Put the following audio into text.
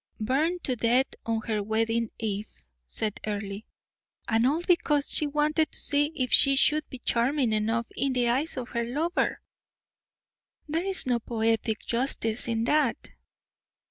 "Burned to death on her wedding eve," said Earle, "and all because she wanted to see if she should be charming enough in the eyes of her lover! There is no poetic justice in that."